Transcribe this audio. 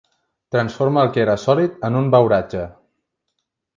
Transforma el que era sòlid en un beuratge.